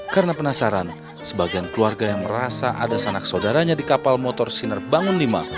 karena penasaran sebagian keluarga yang merasa ada sanak saudaranya di kapal motor siner bangun v